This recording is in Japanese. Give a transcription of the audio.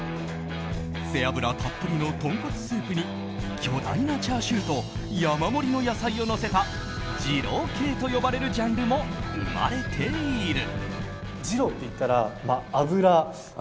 背脂たっぷりの豚骨スープに巨大なチャーシューと山盛りの野菜をのせた二郎系と呼ばれるジャンルも生まれている。